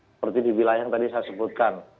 seperti di wilayah yang tadi saya sebutkan